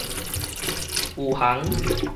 余杭